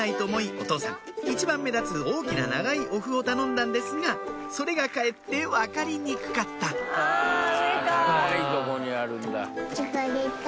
お父さん一番目立つ大きな長いお麩を頼んだんですがそれがかえって分かりにくかったあ上か！